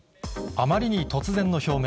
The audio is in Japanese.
あまりに突然の表明。